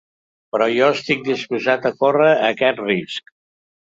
Però jo estic disposat a córrer aquest risc.